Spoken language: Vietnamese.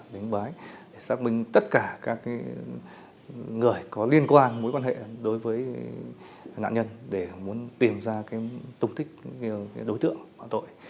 để xác minh tất cả các người có liên quan mối quan hệ đối với nạn nhân để muốn tìm ra tổng thích đối tượng bạo tội